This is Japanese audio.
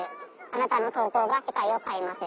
貴方の投稿が世界を変えます。